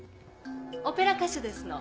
オペラ歌手ですの。